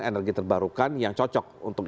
energi terbarukan yang cocok untuk